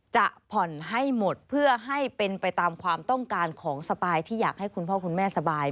จะผ่อนให้หมดเพื่อให้เป็นไปตามความต้องการของสปายที่อยากให้คุณพ่อคุณแม่สบาย